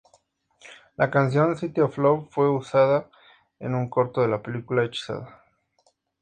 La canción "City Of Love" fue usada en un corto de la película "Hechizada".